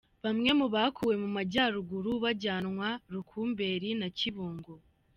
Bamwe bakuwe mu Majyaruguru bajyanwa Rukumberi na Kibungo.